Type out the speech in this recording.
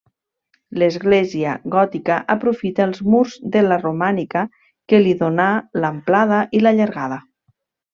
L'església gòtica aprofita els murs de la romànica que li donà l'amplada i la llargada.